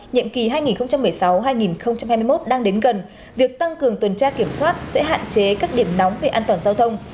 nhiệm kỳ hai nghìn một mươi sáu hai nghìn hai mươi một đang đến gần việc tăng cường tuần tra kiểm soát sẽ hạn chế các điểm nóng về an toàn giao thông